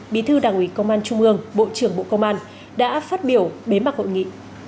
bí thư đảng ủy công an trung ương bộ trưởng bộ công an đã phát biểu bế mạc hội nghị